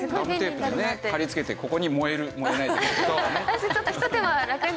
ガムテープでね貼り付けてここに「燃える」「燃えない」。